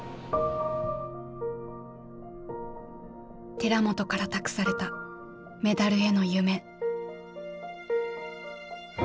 寺本から託されたメダルへの夢。